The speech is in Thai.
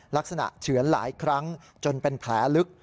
เฉือนหลายครั้งจนเป็นแผลลึก